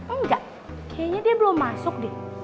enggak kayaknya dia belum masuk nih